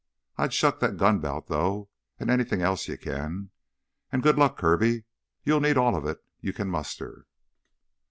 I'd shuck that gun belt, though, and anything else you can. And good luck, Kirby. You'll need all of it you can muster."